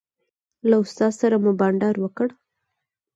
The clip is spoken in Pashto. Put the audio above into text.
له استاد سره مو بانډار وکړ.